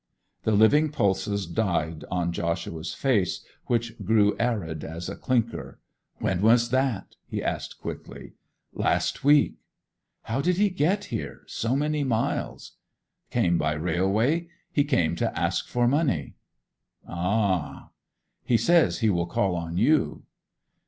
The living pulses died on Joshua's face, which grew arid as a clinker. 'When was that?' he asked quickly. 'Last week.' 'How did he get here—so many miles?' 'Came by railway. He came to ask for money.' 'Ah!' 'He says he will call on you.